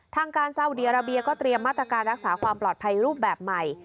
ทางการซาอุดีอาราเบียก็เตรียมมาตรการรักษาความปลอดภัยรูปแบบใหม่